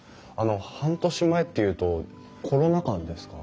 半年前っていうとコロナ禍ですか？